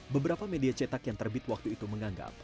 beberapa media cetak yang terbit waktu itu menganggap